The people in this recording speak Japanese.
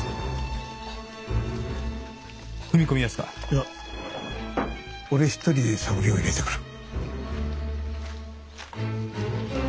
いや俺一人で探りを入れてくる。